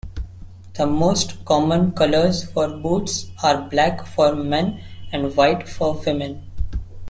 The most common colors for boots are black for men and white for women.